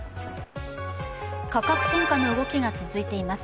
価格転嫁の動きが続いています。